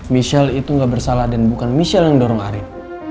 michelle itu gak bersalah dan bukan michelle yang dorong arin